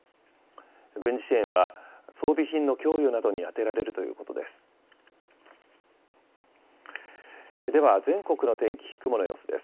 軍事支援は装備品の供与などに充てられるということです。